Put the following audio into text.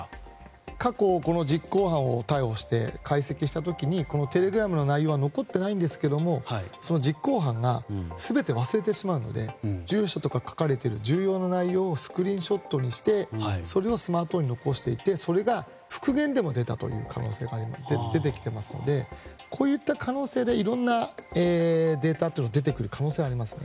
過去、実行犯を逮捕して解析した時にテレグラムの内容は残っていないんですけれどもその実行犯が全て忘れてしまうので住所とか書かれている重要な内容をスクリーンショットにしてそれをスマートフォンに残しておいてそれが復元でも出てきていますのでこういった可能性でいろんなデータというのが出てくる可能性はありますね。